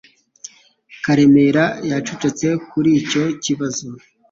Karemera yacecetse kuri icyo kibazo.